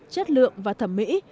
chất lượng và thẩm mỹ